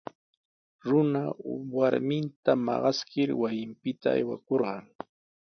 Runa warminta maqaskir wasinpita aywakurqan.